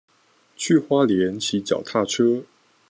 去花蓮騎腳踏車